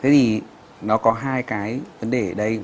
thì nó có hai cái vấn đề ở đây